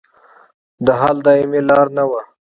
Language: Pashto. د حل دایمي لار نه وه.